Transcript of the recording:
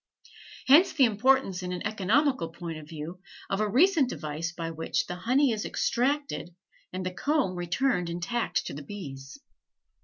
Hence the importance in an economical point of view, of a recent device by which the honey is extracted and the comb returned intact to the bees.